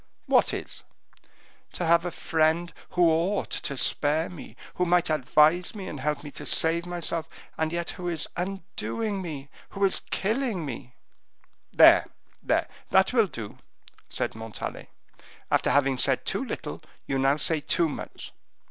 "What is?" "To have a friend who ought to spare me, who might advise me and help me to save myself, and yet who is undoing me is killing me." "There, there, that will do," said Montalais; "after having said too little, you now say too much.